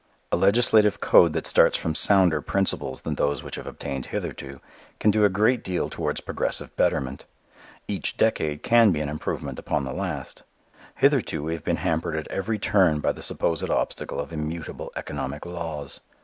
A legislative code that starts from sounder principles than those which have obtained hitherto can do a great deal towards progressive betterment. Each decade can be an improvement upon the last. Hitherto we have been hampered at every turn by the supposed obstacle of immutable economic laws.